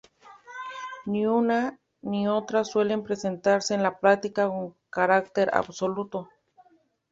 Ni una ni otra suelen presentarse en la práctica con carácter absoluto.